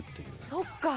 そっか！